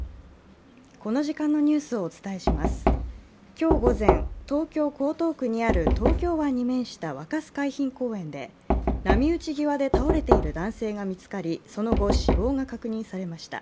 今日午前、東京・江東区にある東京湾に面した若洲海浜公園で波打ち際で倒れている男性が見つかり、その後、死亡が確認されました。